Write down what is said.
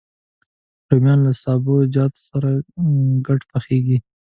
رومیان له سابهجاتو سره ګډ پخېږي